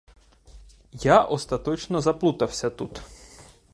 Я остаточно заплутався тут.